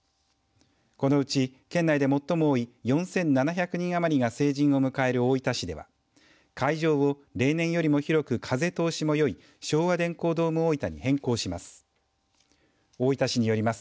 このうち県内で最も多い４７００人余りが成人を迎える大分市では会場を例年よりも広く風通しもよい昭和電工ドーム大分に変更します。